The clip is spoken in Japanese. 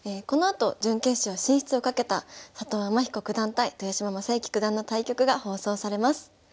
このあと準決勝進出を懸けた佐藤天彦九段対豊島将之九段の対局が放送されます。